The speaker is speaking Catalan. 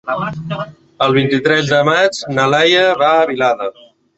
El vint-i-tres de maig na Laia va a Vilada.